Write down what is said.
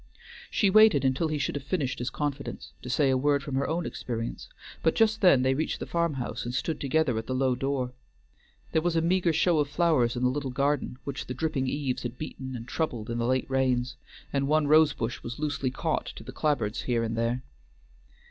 She waited until he should have finished his confidence, to say a word from her own experience, but just then they reached the farm house and stood together at the low door. There was a meagre show of flowers in the little garden, which the dripping eaves had beaten and troubled in the late rains, and one rosebush was loosely caught to the clapboards here and there.